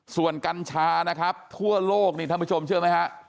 ส่วนกัญชานะครับทั่วโลกนี่ท่านผู้ชมเชื่อไหมฮะ